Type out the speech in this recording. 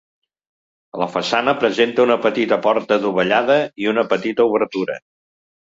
La façana presenta una petita porta dovellada i una petita obertura.